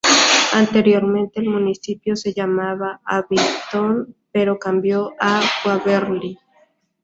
Anteriormente, el municipio se llamaba Abington, pero cambió a Waverly.